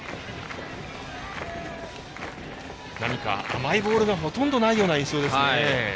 甘いボールがほとんどないような印象です。